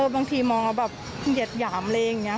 บางทีมองแล้วแบบเหยียดหยามอะไรอย่างนี้